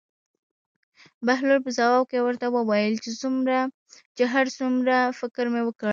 بهلول په ځواب کې ورته وویل چې هر څومره فکر مې وکړ.